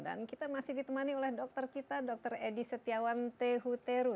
dan kita masih ditemani oleh dokter kita dr edi setiawan tehuteru